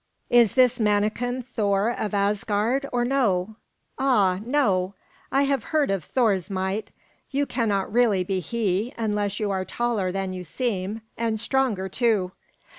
Is this manikin Thor of Asgard, or no? Ah, no! I have heard of Thor's might. You cannot really be he, unless you are taller than you seem, and stronger too.